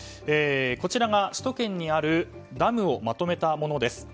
こちらが首都圏にあるダムをまとめたものです。